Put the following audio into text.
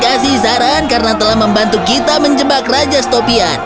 kasih saran karena telah membantu kita menjebak raja stopian